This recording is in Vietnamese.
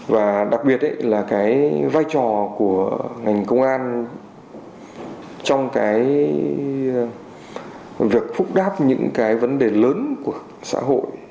và đặc biệt là cái vai trò của ngành công an trong cái việc phúc đáp những cái vấn đề lớn của xã hội